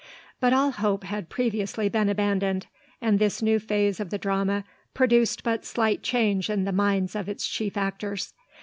But all hope had previously been abandoned; and this new phase of the drama produced but slight change in the minds of its chief actors.